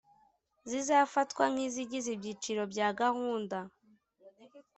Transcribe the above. zizafatwa nk'izigize ibyiciro bya gahunda